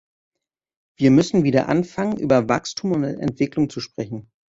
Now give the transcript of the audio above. Wir müssen wieder anfangen, über Wachstum und Entwicklung zu sprechen.